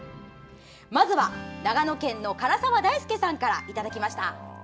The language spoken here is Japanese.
まずは長野県の唐澤大助さんからいただきました。